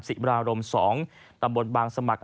บรารม๒ตำบลบางสมัคร